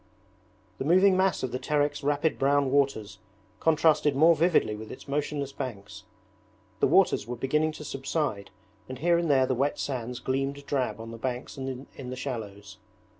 The moving mass of the Terek's rapid brown waters contrasted more vividly with its motionless banks. The waters were beginning to subside and here and there the wet sands gleamed drab on the banks and in the shallows.